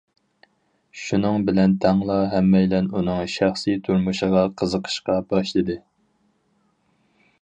شۇنىڭ بىلەن تەڭلا ھەممەيلەن ئۇنىڭ شەخسى تۇرمۇشىغا قىزىقىشقا باشلىدى.